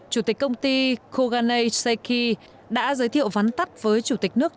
chủ tịch công ty koganei seiki đã giới thiệu vắn tắt với chủ tịch nước